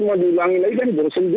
kan baru semua yang dengerin